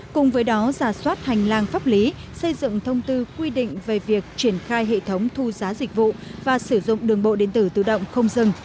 cùng với đó giả soát hành lang pháp lý xây dựng thông tư quy định về việc triển khai hệ thống thu giá dịch vụ và sử dụng đường bộ điện tử tự động không dừng